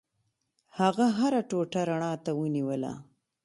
هغه هره ټوټه رڼا ته ونیوله.